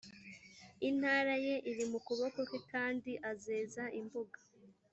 intara ye iri mu kuboko kwe kandi azeza imbuga